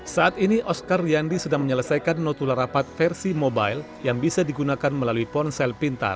saat ini oscar yandi sedang menyelesaikan notula rapat versi mobile yang bisa digunakan melalui ponsel pintar